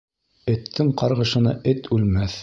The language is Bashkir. Эттең ҡарғышына эт үлмәҫ.